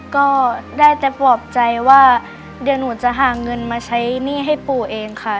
ก็ได้แต่ปลอบใจว่าเดี๋ยวหนูจะหาเงินมาใช้หนี้ให้ปู่เองค่ะ